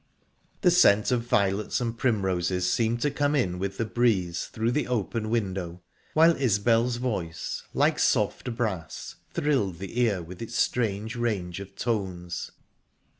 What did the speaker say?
The scent of violets and primroses seemed to come in with the breeze through the open window, while Isbel's voice, like soft brass, thrilled the ear with its strange range of tones.